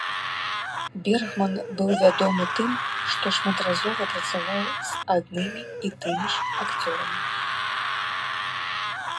Бергман быў вядомы тым, што шматразова працаваў з аднымі і тымі ж акцёрамі.